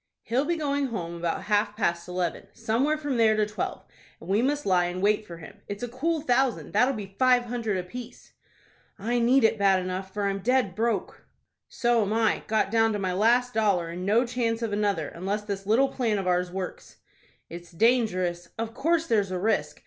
"He'll be going home about half past eleven, somewhere from there to twelve, and we must lie in wait for him. It's a cool thousand, that'll be five hundred apiece." "I need it bad enough, for I'm dead broke." "So am I. Got down to my last dollar, and no chance of another, unless this little plan of ours works." "It's dangerous." "Of course there's a risk.